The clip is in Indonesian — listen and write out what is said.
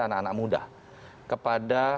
anak anak muda kepada